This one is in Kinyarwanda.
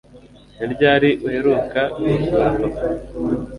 Ni ryari uheruka gusura papa